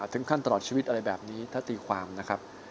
ตลอดชีวิตอะไรแบบนี้ถ้าตีความนะครับ